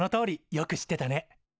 よく知ってたね。